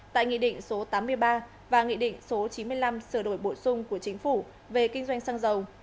tại nghị định số tám mươi ba và nghị định số chín mươi năm sửa đổi bổ sung của chính phủ về kinh doanh xăng dầu